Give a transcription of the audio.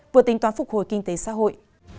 vừa tính toán phục hồi kinh tế xã hội